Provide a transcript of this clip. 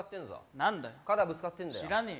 何だよ肩ぶつかってんだよ